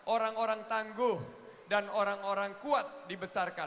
orang orang tangguh dan orang orang kuat dibesarkan